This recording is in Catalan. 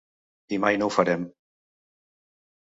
I mai no ho farem.